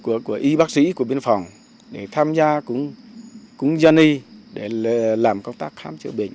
chúng tôi cũng nhờ lượng thuốc sĩ của biên phòng để tham gia quân dân y để làm công tác khám chữa bệnh